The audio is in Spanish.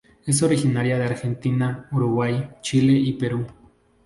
Es originaria de Argentina, Uruguay, Chile y Perú.